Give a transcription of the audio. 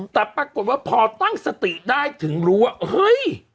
แต่ปรากฏว่าพอตั้งสติได้ถึงรู้ว่าเฮ้ย